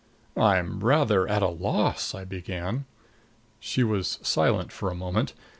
"I'm rather at a loss " I began. She was silent for a moment.